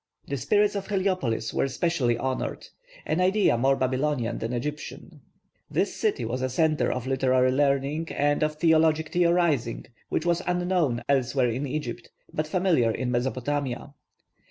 The 'spirits of Heliopolis' were specially honoured, an idea more Babylonian than Egyptian. This city was a centre of literary learning and of theologic theorising which was unknown elsewhere in Egypt, but familiar in Mesopotamia.